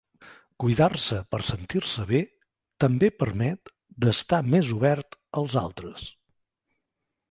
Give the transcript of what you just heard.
Cuidar-se per sentir-se bé també permet d’estar més obert als altres.